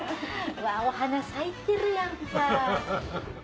お花咲いてるやんか。